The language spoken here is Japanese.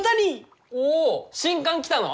お新刊来たの！？